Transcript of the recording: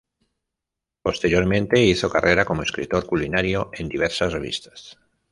Posteriormente hizo carrera como escritor culinario en diversas revistas.